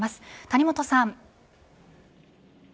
谷元さん。